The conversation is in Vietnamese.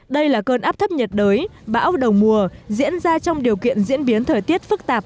đây là cơn áp thấp nhiệt đới bão đầu mùa diễn ra trong điều kiện diễn biến thời tiết phức tạp